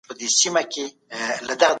تاسي تل د خپلي روغتیا هیله کوئ.